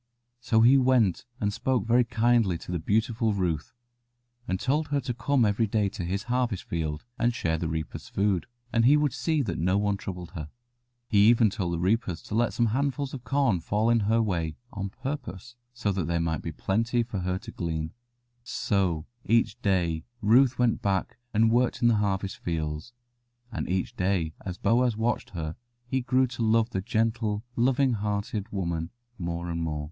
So he went and spoke very kindly to the beautiful Ruth, and told her to come every day to his harvest field and share the reapers' food, and he would see that no one troubled her. He even told the reapers to let some handfuls of corn fall in her way, on purpose, so that there might be plenty for her to glean. [Illustration: The two loving hearts rejoiced in their happiness.] So each day Ruth went back and worked in the harvest fields, and each day as Boaz watched her he grew to love the gentle, loving hearted woman more and more.